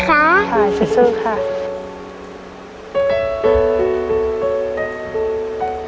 ค่ะสู้ค่ะ